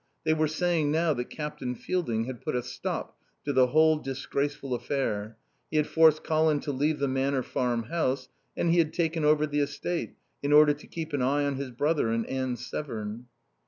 They were saying now that Captain Fielding had put a stop to the whole disgraceful affair; he had forced Colin to leave the Manor Farm house; and he had taken over the estate in order to keep an eye on his brother and Anne Severn.